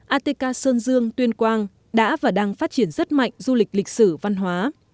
atk sơn dương tuyên quang đã và đang phát triển rất mạnh du lịch lịch sử văn hóa